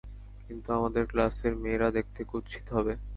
কিন্তু, আমাদের ক্লাসের মেয়েরা দেখতে কুৎসিত হবে।